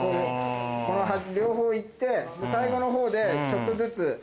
この端両方行って最後のほうでちょっとずつ。